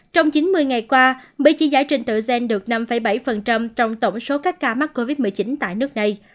trong chín mươi ngày qua mới chỉ giải trình tự gen được năm bảy trong tổng số các ca mắc covid một mươi chín tại nước này